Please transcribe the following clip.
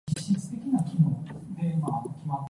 多不是容易辦到的東西。